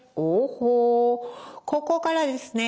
ここからですね